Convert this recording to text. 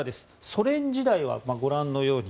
ソ連時代はご覧のように